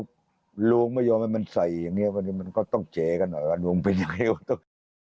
ถ้าลุงไม่ยอมให้มันใส่อย่างนี้วันนี้มันก็ต้องเก๋กันหน่อยว่าลุงเป็นยังไงก็ต้อง